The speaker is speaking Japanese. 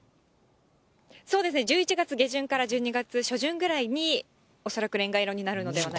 そうですね、１１月下旬から１２月初旬ぐらいに恐らくレンガ色になるのではな